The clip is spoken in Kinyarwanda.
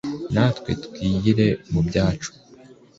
Na twe twigire mu byacu!"